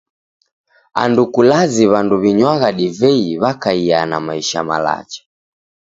Andu kulazi w'andu w'inywagha divei w'akaia na maisha malacha.